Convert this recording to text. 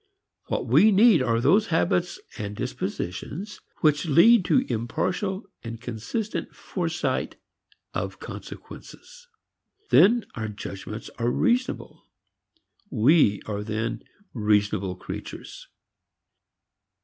What we need are those habits, dispositions which lead to impartial and consistent foresight of consequences. Then our judgments are reasonable; we are then reasonable creatures.